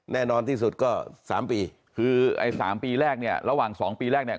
แน่นอนที่สุดก็๓ปีคือไอ้สามปีแรกเนี่ยระหว่าง๒ปีแรกเนี่ย